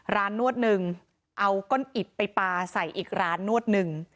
นวดหนึ่งเอาก้นอิดไปปลาใส่อีกร้านนวดหนึ่ง